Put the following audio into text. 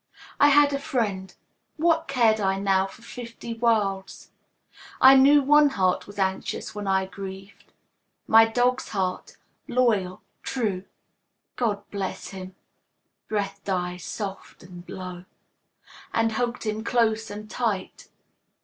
I had a friend; what cared I now For fifty worlds? I knew One heart was anxious when I grieved My dog's heart, loyal, true. "God bless him," breathed I soft and low, And hugged him close and tight.